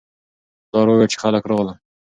پلار وویل چې خلک راغلل.